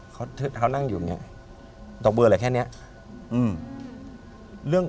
ดอกบัวและแค่แล้ว